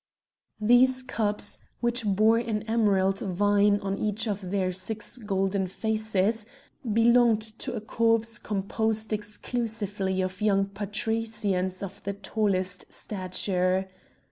These cups, which bore an emerald vine on each of their six golden faces, belonged to a corps composed exclusively of young patricians of the tallest stature.